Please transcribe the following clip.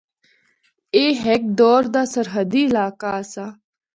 اے ہک دور دا سرحدی علاقہ آسا۔